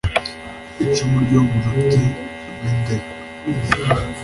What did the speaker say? Icumu ryo mu ruti rw’indekwe